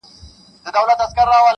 • مور او ورور پلان جوړوي او خبري کوي..